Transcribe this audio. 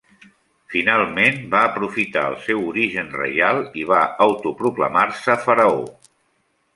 Finalment, va aprofitar el seu origen reial i va autoproclamar-se faraó.